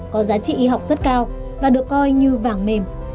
có giá trị y học rất cao và được coi như vàng mềm